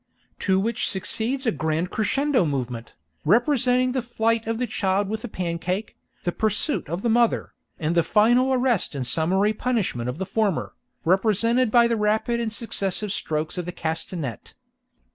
To which succeeds a grand crescendo movement, representing the flight of the child with the pancake, the pursuit of the mother, and the final arrest and summary punishment of the former, represented by the rapid and successive strokes of the castanet.